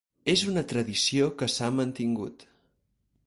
És una tradició que s'ha mantingut.